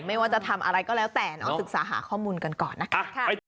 ไม่ว่าจะทำอะไรก็แล้วแต่เนาะศึกษาหาข้อมูลกันก่อนนะคะ